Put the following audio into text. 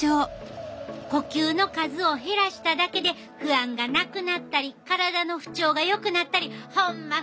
呼吸の数を減らしただけで不安がなくなったり体の不調がよくなったりホンマ